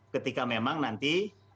ketika memang nanti